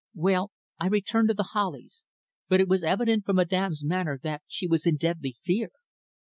"Well, I returned to The Hollies, but it was evident from Madame's manner that she was in deadly fear.